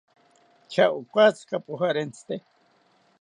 ¿Tya okatsika pojarentsite?